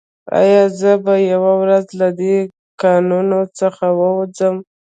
ایا زه به یوه ورځ له دې کانونو څخه ووځم